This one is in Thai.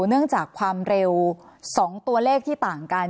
เนื่องจากความเร็ว๒ตัวเลขที่ต่างกัน